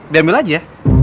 diambil aja ya